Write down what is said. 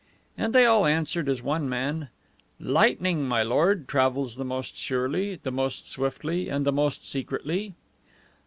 And they all answered as one man, "LIGHTNING, my lord, travels the most surely, the most swiftly, and the most secretly!"